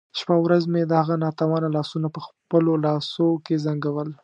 شپه او ورځ مې د هغه ناتوانه لاسونه په خپلو لاسو کې زنګول.